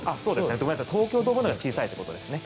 ごめんなさい東京ドームのほうが小さいということですね。